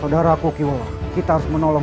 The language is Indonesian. saudara koki kita harus menolong